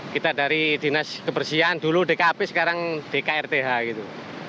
kita dari dinas kebersihan dulu dkp sekarang dkrth gitu